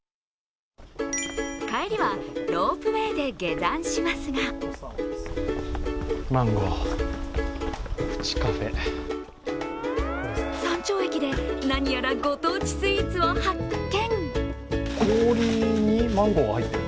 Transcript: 帰りはロープウェイで下山しますが山頂駅で何やらご当地スイーツを発見。